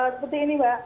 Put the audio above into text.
seperti ini mbak